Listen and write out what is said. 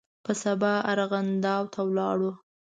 په سبا ارغنداو ته ولاړم.